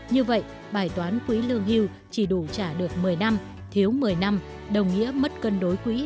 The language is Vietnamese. như vậy bài toán quỹ lương hưu chỉ đủ trả được một mươi năm thiếu một mươi năm đồng nghĩa mất cân đối quỹ